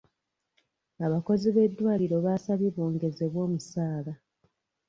Abakozi b'eddwaliro baasabye bongezebwe omusaala.